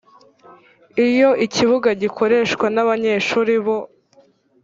iyo ikibuga gikoreshwa n abanyeshuri bo